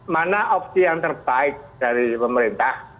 mana opsi yang terbaik dari pemerintah